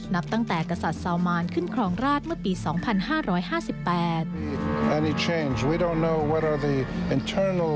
นับตั้งแต่กษัตริย์ซาวมารขึ้นครองราชเมื่อปีสองพันห้าร้อยห้าสิบแปด